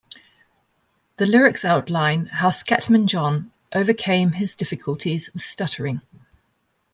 The lyrics outline how Scatman John overcame his difficulties with stuttering.